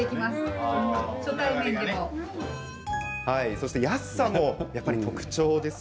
そして、安さも特徴です。